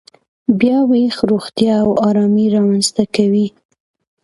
بیاوېش روغتیا او ارامي رامنځته کوي.